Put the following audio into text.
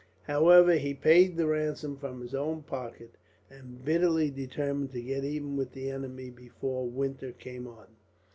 However, he paid the ransom from his own pocket, and bitterly determined to get even with the enemy, before winter came on.